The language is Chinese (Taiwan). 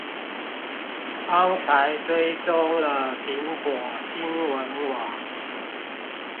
剛才追蹤了蘋果新聞網